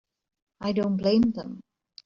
I don't blame them.